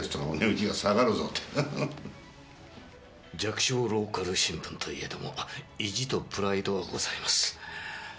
弱小ローカル新聞といえども意地とプライドはございます。